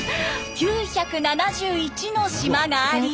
９７１の島があり。